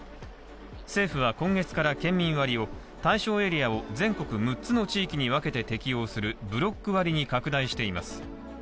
政府は今月から県民割を、対象エリアを全国６つの地域に分けて適用するブロック割に拡大しています。